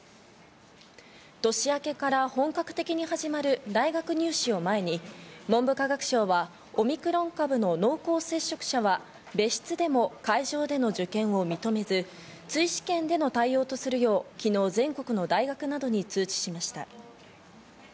年明けから本格的に始まる大学入試を前に文部科学省は、オミクロン株の濃厚接触者は、別室でも会場での受験を認めず、追試験での対応とするよう、昨日、全国の大学などに通知しました。